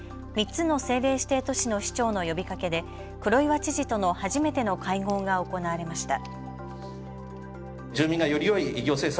３つの政令指定都市の市長の呼びかけで黒岩知事との初めての会合が行われました。